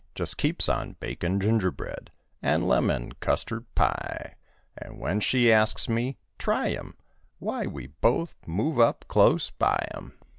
Just keeps on bakin' ginger bread An' lemon custard pie; An' when she asks me—try 'em— Why, we both move up close by 'em.